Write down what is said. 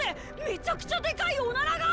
めちゃくちゃでかいオナラが！